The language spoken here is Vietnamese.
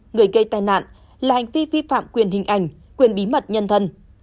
người gây tai nạn là hành vi vi phạm quyền hình ảnh quyền bí mật nhân thân